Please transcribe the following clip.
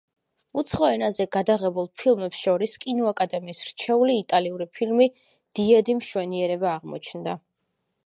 უცხო ენაზე გადაღებულ ფილმებს შორის კინოაკადემიის რჩეული იტალიური ფილმი „დიადი მშვენიერება“ აღმოჩნდა.